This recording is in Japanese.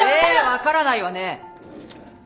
分からないわね。